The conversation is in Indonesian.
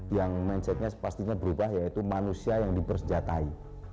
yang mensetnya sepastinya berubah yaitu manusia yang dipersenjatai